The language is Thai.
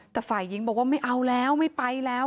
แต่ฝ่ายหญิงบอกว่าไม่เอาแล้วไม่ไปแล้ว